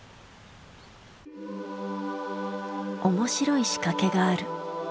面白い仕掛けがある。